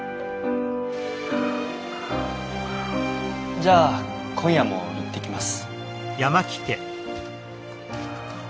じゃあ今夜も行ってきます。